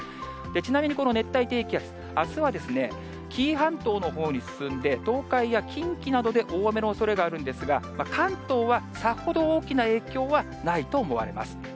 ちなみにこの熱帯低気圧、あすは紀伊半島のほうに進んで、東海や近畿などで大雨のおそれがあるんですが、関東はさほど大きな影響はないと思われます。